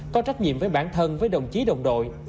có trách nhiệm với bản thân với đồng chí đồng đội